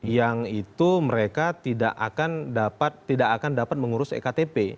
yang itu mereka tidak akan dapat mengurus ektp